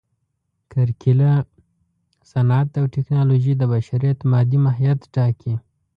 کرکېله، صنعت او ټکنالوژي د بشریت مادي ماهیت ټاکي.